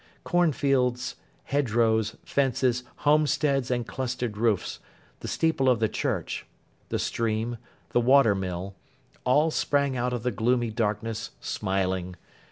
Corn fields, hedge rows, fences, homesteads, and clustered roofs, the steeple of the church, the stream, the water mill, all sprang out of the gloomy darkness smiling.